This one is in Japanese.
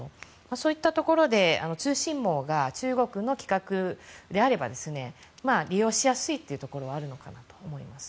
そういったところで通信網が中国の規格であれば利用しやすいというところはあるのかなと思います。